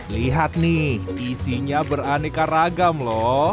lihat nih isinya beraneka ragam loh